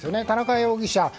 田中容疑者